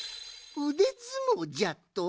うでずもうじゃと！？